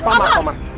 pak amar pak amar